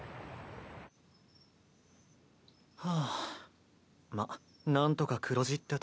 はぁまっなんとか黒字ってとこか。